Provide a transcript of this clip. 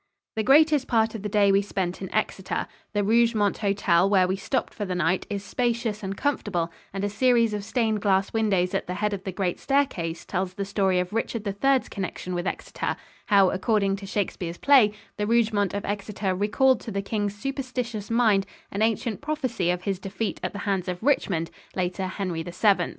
The greatest part of the day we spent in Exeter. The Rougemont Hotel, where we stopped for the night, is spacious and comfortable, and a series of stained glass windows at the head of the great staircase tells the story of Richard Ill's connection with Exeter; how, according to Shakespeare's play, the Rougemont of Exeter recalled to the king's superstitious mind an ancient prophecy of his defeat at the hands of Richmond, later Henry VII.